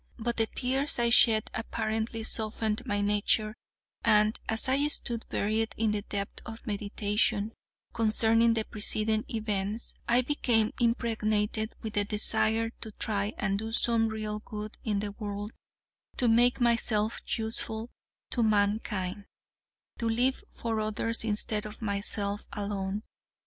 But the tears I shed apparently softened my nature, and as I stood buried in the depth of meditation concerning the preceding events, I became impregnated with the desire to try and do some real good in the world; to make myself useful to mankind; to live for others instead of myself alone.